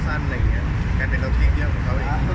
จบรวมกลุ่มตัวจิตแบบหรืองด้วยกลุ่มให้เขาหลีบก่อน